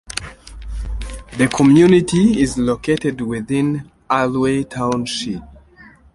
The community is located within Allouez Township.